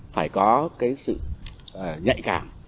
phải có sự nhạy cảm